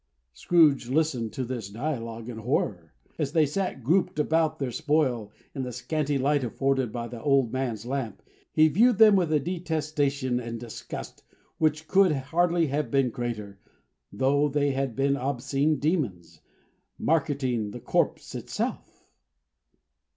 Scrooge listened to this dialogue in horror. As they sat grouped about their spoil, in the scanty light afforded by the old man's lamp, he viewed them with a detestation and disgust, which could hardly have been greater, though they had been obscene demons, marketing the corpse itself.